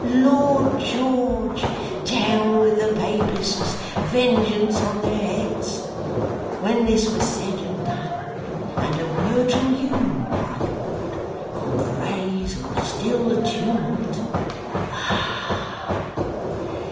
Lord George! Down with the Papists Vengeance on their heads:" when this was said and done, and a word from you, my lord, could raise or still the tumult ah!